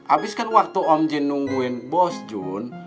abiskan waktu om jin nungguin bos jun